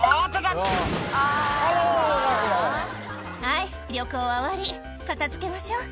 「はい旅行は終わり片付けましょう」